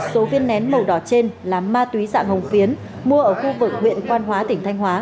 số viên nén màu đỏ trên là ma túy dạng hồng phiến mua ở khu vực huyện quan hóa tỉnh thanh hóa